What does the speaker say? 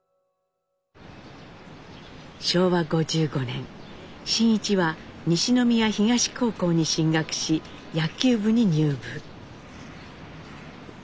昭和５５年真一は西宮東高校に進学し野球部に入部。